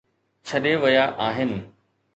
ڇڏي ويا آهن